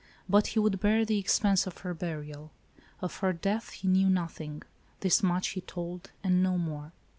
But he would bear the expense of her burial. Of her death he knew nothing. This much he told, and no more.